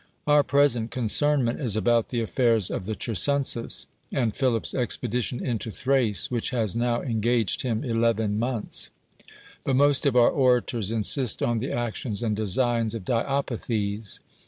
Our present concernment is about the affairs of the Chersonesus, and Philip's expedition into Thrace, which has now engaged him eleven months ; but most of our orators insist on the actions and designs of Diopithes.